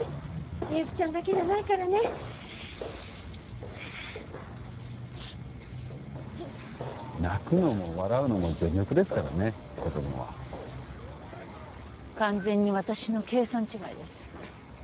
みゆきちゃんだけじゃないからね泣くのも笑うのも全力ですからね子供は完全に私の計算違いです